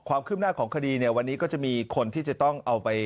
ความคืบหน้าของคดีเนี่ยวันนี้ก็จะมีคนที่จะต้องเอาไป